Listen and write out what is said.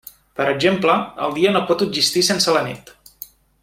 Per exemple, el dia no pot existir sense la nit.